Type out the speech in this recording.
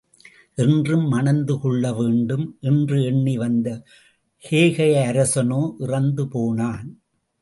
என்றும், மணந்து கொள்ளவேண்டும், என்று எண்ணி வந்த கேகயராசனோ இறந்து போனான்.